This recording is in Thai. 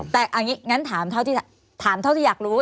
แต่งั้นถามเท่าที่อยากรู้